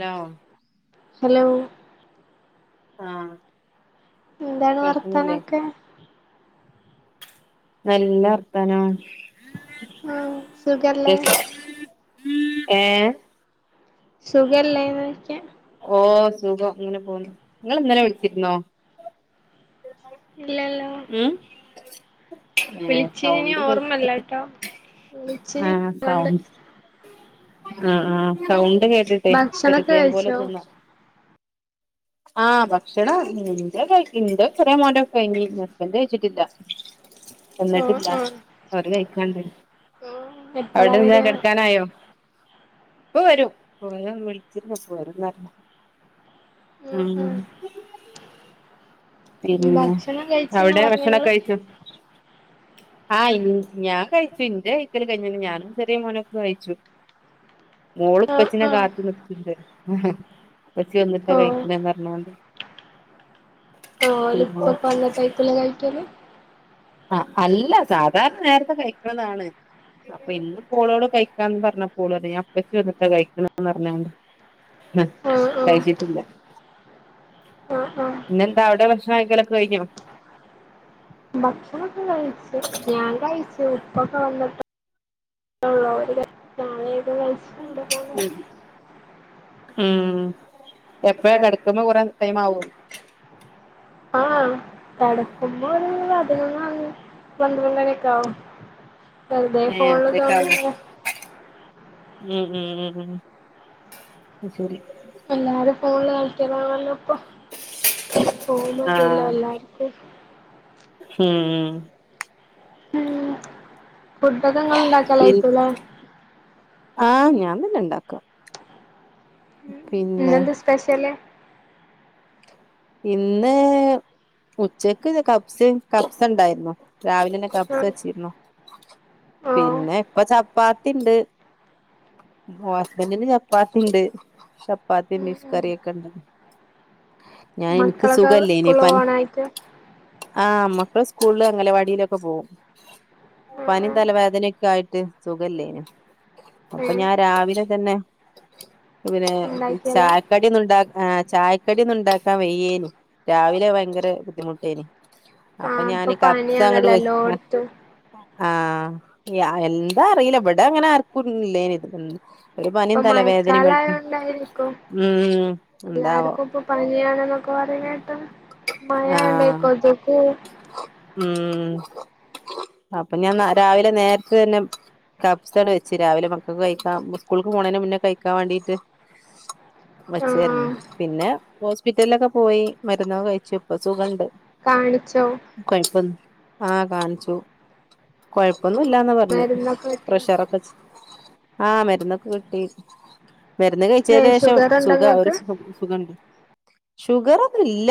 Now hello ആഹ് എന്താണ് കേൾക്കുന്നില്ലേ വർത്താനംൊക്കെ നല്ല വർത്തനം ആഹ സുഖർല്ലേ ഏ സുഖല്ലന്ന് വക്ക ഓ സുഖം അങ്ങനെ പോുന്നു നിങ്ങ ഇന്നലെ വിളിച്ചിരുന്നോ ഇല്ലല്ല ഉം വിളിച്ച ഇനി ഓർമ്മല്ല ട്ടോ ആഹ സൗ ആഹ ആ സൗ [unintelligible] കേട്ടിട്ടെ ഭക്ഷണൊക്കെ പരിചയം പോലെ കഴിച്ചോ തോന്നാ ആഹ് ഭക്ഷണം എന്റെ ക എന്റെ ചെറിയ മോന്റൊക്കെ കഴിഞ്, ഹസ്ബൻഡ് കഴിച്ചിട്ടില്ല. ആഹ് വന്നിട്ടില്ല ആഹ് അവര് കഴിക്കാണ്ട്. എപ്പളാ അവിടെന്താ വരാ കിടക്കാനായോ? ഇപ്പ വരും [unintelligible] ആഹ് ഉം ആഹ് പിന്നെ ഭക്ഷണം കഴിച്ച്ന്ന് അവിടെ പറഞ്ഞോ ഭക്ഷണൊക്കെ ഇങ്ങള് കഴിച്ചോ? ആഹ് ഞാൻ കഴിച്ചു. ഇന്റെ കഴിക്കല് കഴിഞ്ഞ്. ഞാനും ചെറിയ മോനൊക്ക കഴിച്ചു. ആഹ് മോള്പ്പച്ചിനെ ആഹ് കാത്ത് നിക്ക്ണ്ട്. ആഹാ പ്പച്ചി വന്നിട്ടാ ഓഹ് കഴിക്കണ്ന്ന് പറഞ്ഞോണ്ട്, ആ ഓല് ഇപ്പ പിന്നെ ഒക്കെ വന്ന്ട്ടായിരിക്കൂലെ കഴിക്കല്? ആ അല്ല സാധാരണ നേരത്തെ കഴിക്കണതാണ് അപ്പൊ ഇന്ന് പോളോട് കഴിക്കാന്ന് പറഞ്ഞ പോള ഞാ അപ്പച്ച വന്നിട്ടാ കഴിക്കണന്ന് പറഞ്ഞോണ്ട് ആ ആഹ് ആഹ് കഴിച്ചിട്ടില്ല. ആഹ് ആഹ് ഇന്ന അ അവിടെ ഭക്ഷണം കഴിക്കലൊക്കെ കഴിഞ്ഞോ? ഭക്ഷണൊക്കെ കഴിച്ചു. ഞാൻ കഴിച്ചു, ഉപ്പൊക്കെ വന്നിട്ട് [unintelligible] [unintelligible] ഉം എപ്പഴാ കിടക്കുമ്പോ കുറെേ ടൈം ആവോ? ആ തകെടക്കുമ്പോ ഒരു പതിനൊന്ന്, പന്ത്രണ്ട് ഒക്കെ ആവും. വെറുതേ ഏഹ് ഫോണില് അത്രയൊക്കെ ആവോ തോണ്ടിങ്ങനെ ഉം ഉം ഉം ഉം ശരി [unintelligible] [unintelligible] എല്ലാർക്കും ഹ്മ്മ് ഉം ഫുഡൊക്കെ നിങ്ങൾ ഉണ്ടാക്കലൈകും ലെ? ആ ഞാൻ തന്നെ ഇണ്ടാക്കും. ഇന്നെന്താ സ്പെഷ്യല്? ഇന്ന് ഉച്ചക്ക് കപ്സ് കപ്സ ഉണ്ടായിരുന്നു, രാവിലെന്നെ കപ്സ ആഹ് വച്ചിരുന്നു. ഓഹ് പിന്നെ ഇപ്പൊ ചപ്പാത്തിണ്ട്. ഹസ്ബൻറിന് ചപ്പാത്തിണ്ട്. ചപ്പാത്തിം ഉം ഫിഷ് ഉം കറിയൊക്കെണ്ട്. മക്കളൊക്കെ സ്കൂള് പോവാനായിട്ട് ആഹ മമ്മക്കള് സ്കൂള അംഗലവാടിയിലൊക്കെ പോകവും ആഹ് പനിയും ആഹ് തലവേദനൊക്കെ ആയിട്ട് സുഖല്ലേനു അപ്പൊ ഏഹ് ഞാൻ രാവിലെ തന്നെ പിന്നെ ഇണ്ടാക്കിയതാ ചായക്കടി ഒന്നും ഇണ്ടാ- ആഹ ചായക്കട ഒന്നും ഇണ്ടാക്ക വയ്യായിരുന്നു രാവിലെ ഭയങ്കര ബുദ്ധിമുട്ടേന് ആ അപ്പൊ പനിയാണല്ലല്ലോടുത്തു ആഹ എന്താ അറിയില്ല ഇവിടെ അങ്ങനെ ആർക്കുംല്ലേനി ഇത് ഒരു പനിയും ഇപ്പൊ തലവേദനയും മഴക്കാലായോണ്ടായിരിക്കും ഉം എന്താവോ അ എന്നൊക്കെ പറ കേട്ട് മഴ എന്ത ആഹ് കൊതുക്ക് ഉം അപ്പൊ ഞാൻ രാവിലെ നേരത്തെ തന്നെ കബ്സാണ് വെച്ചു രാവിലെ മക്കൾക്ക് കഴിക്കാൻ സ്കൂൾക്ക് പോണേന് മുന്നേ കഴിക്കാൻ വേണ്ടിട്ട് ആ വെച്ചായിരുന്നു പിന്നെ ഹോസ്പിറ്റലിലൊക്കെ പോയി മരുന്നുയൊക്കെ കഴിച്ചു ഇപ്പം സുഖ ഉണ്ട് കാണിച്ചോ ആഹ കാണിച്ചു കോ--ഴ ഇപ്പൊന്നും ഇല്ലാന്ന പറഞ്ഞഞ് മരുന്നൊക്കെ കിട്ടിയോ പ്രഷറൊക്കെ ആഹ മരുന്നൊക്കെ കിട്ടി മരുന്ന് കഴിച്ച ഏ ശേഷം ഷുഗർ ഉണ്ടോ സുഖ ഒരു ഇങ്ങക്ക് സുഖുണ്ട് ഷുഗർ ഒന്നും ഇല്ല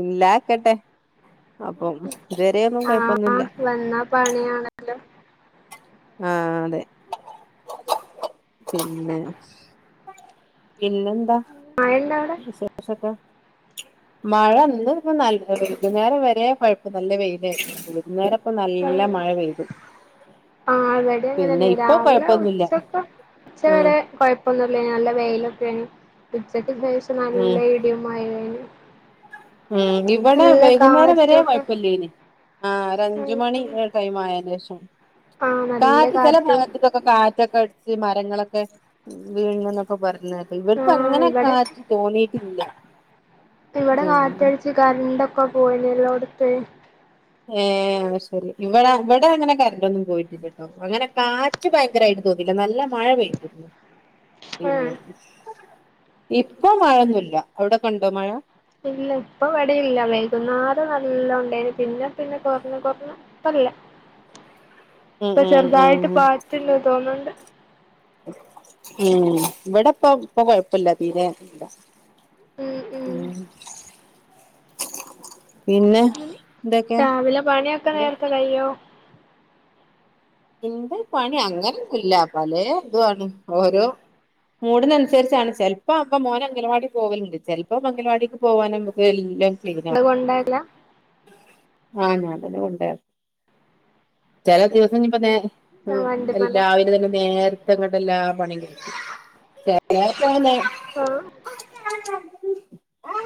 ഇല്ലാതിരിക്കട്ടെ അപ്പം ഇതു വരെ ഒന്നും ആ കൊഴപ്പൊന്നുല്ല വന്നാ പണിയാണല്ലോ ആഹ അതെ പിന്ന പിന്നെ മഴയുണ്ടോ വിശേഷൊക്കെ മഴ ഇപ്പ നല്ല വൈകുന്നേരം വരെ കുഴപ്പം നല്ല വെയിലായിരുന്നു അപ്പൊ നല്ല അവിടെ മഴ പെയ്തു അങ്ങന പിന്നെ ഇപ്പൊ രാവിലെ കൊഴപ്പൊന്നുല്ല ഉച്ചക്ക ഉച്ച ആഹ് വരെ കുഴപ്പൊന്നില്ല നല്ല വെയിലൊക്കെ ഉ [unintelligible] ഉച്ചക്ക് ശേഷം ആഹ് നല്ല ഇടിയും മഴ യും ആണ് ഉം ഇവിടെ വൈകുന്നേരം വര കാറ്റൊക്കെ കുഴപ്പില്ല ഇന് ആഹ ഒരു അഞ്ച മണി ടൈം ആയാലേ ഉം ആ നല്ല കാറ്റ് ചല കാറ്റും ഭാങ്ങത്തി തക്ക കാ കാറ്റ് അടിച്ച് മരങ്ങളൊക്കെ വീഴ എന്നൊക്കെ പറു എന്നന്നല്ല ആ ഇവർക്ക് അങ്ങനെ ഇവിടെക്കെ കാറ്റി തോന്നീയിട്ടില്ല ഇവിടെ കാറ്റടിച്ചു കറണ്ട് ഒക്കെ പോയി എല്ലാംടുത്ത് ഏർ ശരി ഇവിടെ ഇവിടെ അങ്ങനെ കറണ്ട്ന്നും പോയിട്ടില്ലട്ടോ അങ്ങനെ കാറ്റ് ഭയങ്കരായിട്ട് തോന്നല്ല നല്ല മഴ പെയട്ടിരുന്നു ആഹ് പിന്നെ ഇപ്പൊ മഴൊന്നുമല്ല എവിടെ കണ്ടോ മഴ ഇല്ല ഇപ്പൊ വടിയില്ല വൈകുന്നേരം നല്ല ഉണ്ടായിന് പിന്നെ പിന്നെ കൊറഞ്ഞ കൊറഞ്ഞ ഇപ്പല്ല ഉം ഇപ്പൊ ഉം ഉം ചെറുതായിട്ട് പാറ്റില്ല തോന്നുന്നുണ്ട് ഉം ഇവിടെപ്പ ഇപ്പൊ കൊഴപ്പില്ല തീരെല്ല ഉം ഉം ഉ എന്തൊക്കെയാ രാവിലെ പണിയൊക്കെ നേർത്തെ കയ്യോ എന്റെ പണി അങ്ങനൊ ഇല്ല പല എതുണ് ഓരോ മൂടിനനുസരിച്ചാണ് ചെലപ്പോ അപ്പ മോന അംഗലവാടി പോവലുണ്ട് ചെപ്പോ അംഗലവാടിക്ക് പോകാന നമ്മുക്ക് എല്ല എന്ത കൊണ്ടല്ല ആ ഞൻന്ന കൊണ്ട ചെല ദിവസം നിപ്പന്നെ ആഹ് ആ വണ്ടിമ്മലോ രാവിലെ തന്നെ നേർ ഇങ്ങോട്ടല്ലാ പണിങ്കി ചേലെടത്തിങ്ങനെ ആ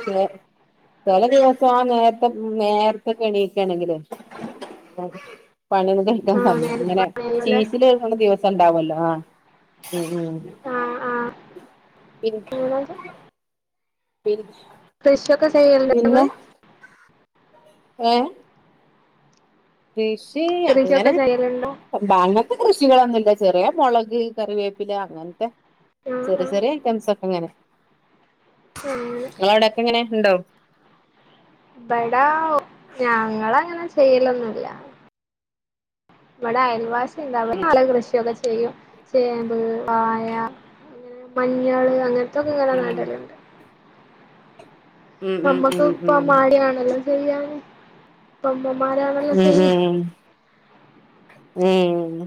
ച ചില ദിവസം ആ നേരത്തെ നേരത്തെ എണീക്കയാണെങ്കില് പണി ഇ ആഹ് സയം നേരത്തെ ഇങ്ങനെ പണി കയ്യൂല്ലേ ചീച്ചൽ കേക്കുന്ന ദിവസം ണ്ടാവല്ലോ ആ ഉ ഉ ആഹ് ആഹ് പി അങ്ങനൊക്കെ ശരി ശശ ഒക്ക ചെയണ്ട ഏ കൃഷി അങ്ങനെ കൃഷിയൊക്കെ ചെയ്യലുണ്ടോ ഭങ്ങത്തെ ക കൃഷികളൊന്നുമല്ല ചെറിയ മുളക് കറിവേപ്പില അങ്ങനത്തെ ആഹ് ചെറിയ ആഹ് ചെറിയ ഐറ്റംസ് ഇങ്ങനെ ഉം നിങ്ങളവിടെക്കെ എങ്ങനെ ഉണ്ടോ ഇവിടാ ഞങ്ങള അങ്ങനെ ചെയ്യലൊന്നുമില്ല നമ്മടെ അയൽവാസി ന്ത ഉം നളെ കൃഷിയൊക്കെ ചെയ്യും ചേമ്പ് വാഴ ഇങ്ങനെ മഞ്ഞള് അങ്ങനത്തൊക്കെ ഇങ്ങ ഉം നാട്ടല്ലാം ഉണ്ട് ഉം നമ്മക്ക് ഉം ഇപ്പ ഉം മാടാണല്ലോ ശരിയാണ് ഇപ്പം അമ്മമാരാടെല്ലാം ഉം ചെയ്യ ഉം ഉം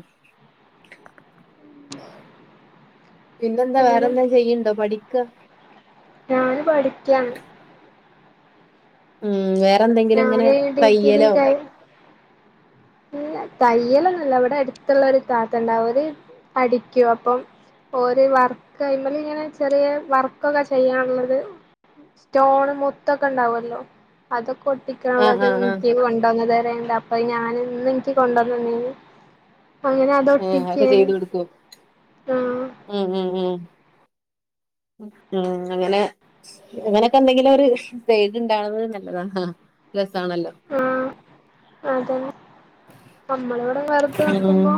പിന്നെന്താ വേറെ അങ്ങനെ വല്ല ചെയ്യണ്ടോ പഠി ക്കാ ഞാന് പഠി ക്കാണ് ഉം വേ പ്പ എന്തെങ്കിലും ഇങ്ങനെ ഞാന് തയ്യലോ പിന്ന തയ്യലൊന്നുമില്ല ഇവിടെ അടുത്തുള്ള ഒരു താത്ത ഉണ്ട് അവര് അടിക്കും അപ്പം ഒരു വർക്ക് [unintelligible] ഇങ്ങനെ ചെറിയ വർക്കൊക്കെ ചെയ്യാനുള്ളത് സ്റ്റോണ് മുത്തൊക്കെ ഉണ്ടാവുല്ലോ അതൊക്കെ ആഹ് ഒട്ടിക്കാനുള്ളത് ആഹ് ആഹ് [unintelligible] വരെടാ പ്പ ഞാന് ന്ന് എനിക്ക് കൊണ്ടുവ [unintelligible] അങ്ങനെ അത് ഏഹ് ഒട്ടിച്ച് അതൊക്കെ ചെയ്ത് കൊടുക്കോ ആ മ് അങ്ങനെ അങ്ങനെയൊക്കെ എന്തെങ്കിലും ഒരു ചെയ്ത്ണ്ടാവുന്നത് നല്ലതാണ് ത്താണല്ലോ അതെ നമ്മളോവിടെ വെറുത നോക്കുമ്പോ ഉം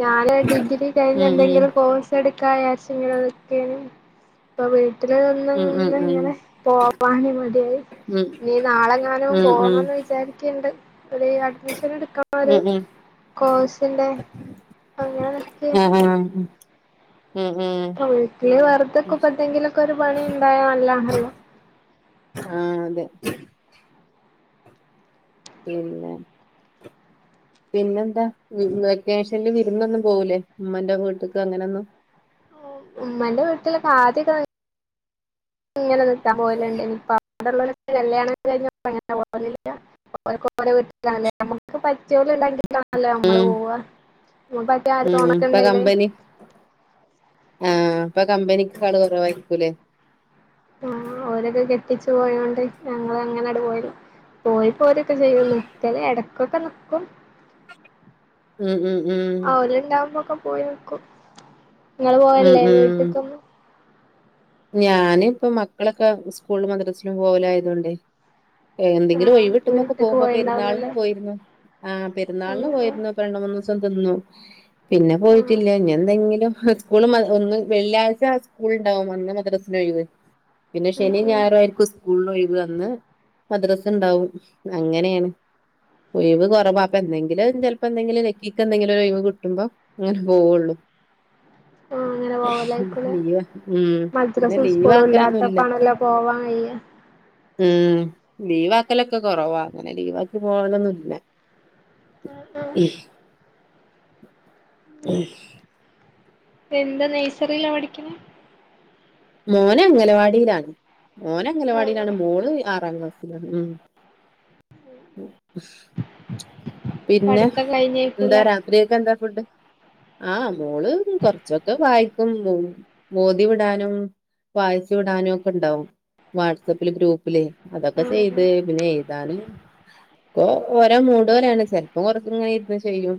ഞാന് ഡിഗ്രി കഴിഞ്ഞ് ഉം എന്തെങ്കിലും കോഴ്സ് എടു കായശങ്ങനോക്കെ [unintelligible] വീട്ടിൽ നിന്ന് ഉം ഉം നിന്ന് ഉം ഇങ്ങനെ പോവാന് മടിയായി ഉം നീ നാളെങ്ങാന ഉം ഉം പോണന്ന് വിചാരിക്കണ്ട് ഒരു അഡ്മിഷൻ എടു ഉം ഉം അങ്ങനെ നിക്കേനി ഹ ഹ അ വീട്ടില് വെറുതൊക്കെ ഇപ്പ എന്തെങ്കിലൊക്കെ ഒരു പണി ഉണ്ടായല്ല ആഹ് അതെ പേരെന്ന പിന്നെന്താ വെക്കേഷനിൽ വിരുന്നൊന്നും പോവുല്ലേ ഉമ്മന്റെ അങ്ങട്ടേക്ക് അങ്ങനൊന്നും ഉമ്മന്റെ വീട്ടിലൊക്കെ ആദ്യക്കെ ഇങ്ങനെ നിൽക്കാൻ പോവലുണ്ട് [unintelligible] വിടൊള്ളവരൊക്കെ കല്യാണം കഴിഞ്ഞപ്പ [unintelligible] വിരൊക്കെ വരെ വീട്ടിലാണല്ലേ ഞമ്മുക്ക് [unintelligible] ല്ലേ നമ്മള് ഉം പോവ എന്നും പറഞ്ഞിട്ട് ആരു ഉം തോണക്കെ ഇപ്പൊ ഇണ്ടലേ കമ്പനി ആഹ് ഇപ്പൊ കമ്പനിക്ക് പണി കുറവായിരിക്കൂലേ ആ ഓരൊക്കെ കെട്ടിച്ചു പോയോണ്ട് ഞങ്ങള്ളങ്ങനെ പോയത് പോയി പോരൊക്കെ ചെയ്യും ചില ഇടക്കൊക്കെ നക്കും ഉം ഉം ഉം ആ ഓനീണ്ടാവുമ്പോക്കെ പൊയക്കോ നിങ്ങള് പോയല്ലേ വീട്ടിക്കുന്ന് ഞാനും ഇപ്പൊ മക്കളൊക്കെ സ്കൂള മദ്രസിലും പോവലായതൊണ്ടേ എന്തങ്കിലും ആഹ് ഒഴിവ്ക്കിട്ടുമ്പോ ഒക്കെ വീട്ട്ക്ക് പോകും പെരുന്നാളിന് പോയിണ്ടാവൂലല്ലേ പോയിരുന്നു ആ പെരുന്നാളിന് ആഹ് ആഹ് പോയിരുന്നു. രണ്ടു മൂന്നു ക്കുന്നു പിന്നെ ആഹ് പോയിട്ടില്ല ന്നെ എന്തെങ്കിലും സ്കൂളും ഒന്നും വെള്ളിയാഴ്ച സ്കൂൾ ണ്ടാവും [unintelligible] പിന്നെ ഉം ശനി ഉം ഞായറും ആയിരിക്കും സ്കൂൾ ഒഴിവ് ഒന്ന് മദ്രസ ഉണ്ടാകും അങ്ങനെയാണ് ഒഴിവ് കുറവാ അപ്പോ എന്തെങ്കിലും ചിലപ്പോൾ എന്തെങ്കിലും ലക്കി എന്തെങ്കിലും ഒരു ഒഴിവ് കിട്ടുമ്പോ പോകുകയുള്ളൂ ആഹ് അങ്ങനെ [unintelligible] ദ്രസാ സ്കൂൾ ഇല്ലാത്തപ്പോൾ ആണല്ലോ പോകാൻ കഴിയുക ഉഠ ലീവ് ആക്കലൊക്കെ കുറവാ അങ്ങനെ ലീ വാക്കി പോകാ നൊന്നുമില്ല ആഹ് ആഹ് ഉം ഉം എന്താ നൊഴ്സറി ലാ പഠിക്കണ മോൻ അംഗൻവാടിയിലാണ് മോൻ അംഗൻവാടിയിലാണ് മോള് ആറാം ക്ലാസി ല് [unintelligible] പിന്നെ പഠിത്തം എന്താ കഴിഞ്ഞേക്കൂലേ രാത്രിയൊക്കെ എന്താ ഫുഡ് ആ മോള് കുറച്ചൊക്കെ വായിക്കും മോദി വിടാനും വായിച്ചു വിടാനൊക്കെണ്ടാവും വാട്സാപ്പിലെ ഗ്രൂപ്പിലെ അതൊക്കെ ഉം ചെയ്ത് പിന്നെ താണ് പ്പൊ ഓരോ മൂട് പോലെയാണ് ചെലപ്പോ കുറച്ച് ഇങ്ങനെ ഇരുന്നു ചെയ്യും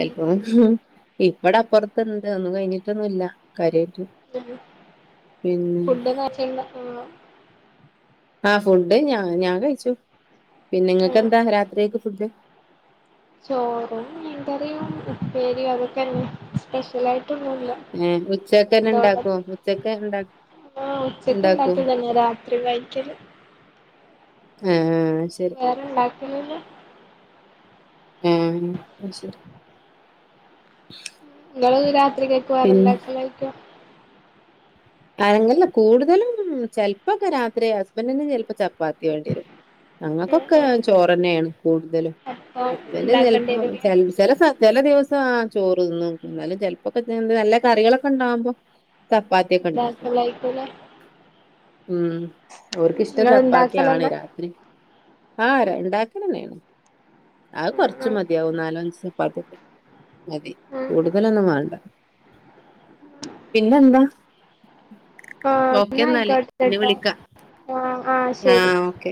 ഉം ഉം മ്‌ഹ് ഇപ്പൊ അപ്പറത്ത് ഒണ്ട് ഒന്നും കഴിഞ്ഞിട്ടൊന്നുമില്ല കാര്യയിട്ടും [unintelligible] [unintelligible] ആ ഫുഡ് ഞാ ഞാൻ കഴിച്ചു ആഹ് നിങ്ങക്കെന്താ രാത്രിയൊക്കെ ഫുഡ് ചോറും മീൻ കറിയും ഉപ്പേരി.. അതൊക്കെയുണ്ട് സ്പെഷ്യൽ ആയിട്ട് ഏഉച്ചക്ക് തന്നെ ഉണ്ടാക്കോ ഉച്ചക്ക് തന്നെ ആഹ് ഉച്ചക്ക് ഉണ്ടാക്കും ഉണ്ടാക്കിയതന്നെ [unintelligible] ആ. ആ വേറെ ഉണ്ടാക്.. ഒന്നുല്ല [unintelligible] [unintelligible] [unintelligible] പിന്നെ [unintelligible] [unintelligible] [unintelligible] ആ ചോറ്ന്നുംാലും ഉം ഉം അപ്പൊ ഉണ്ടാക്കേണ്ടി വരൂല്ലേ ചിലപ്പൊക്കെ നല്ല കറികളൊക്കെ ഉണ്ടകുമ്പോ എന്താസല്ല ആയിക്കല ഉം അവഓർക്കിഷ്ടം ചപ്പാത്തി ആാണ് രാത്രി ആ രണ്ടാക്കണ വേണം ആഹ ഉം കൊറച്ച ഉം മതിയാവും നാലഞ് പത്തട്ട മതി ഉം കൂടുതലൊന്നും വേണ്ട പിന്നെന്താ ആഹ ഓക്കെ എന്നാല് പിന്നെ എന്നായിക്കോട്ടട്ടാ വിളിക്കാം ആഹ ആഹ ശരി ആഹ് ഓക്കെ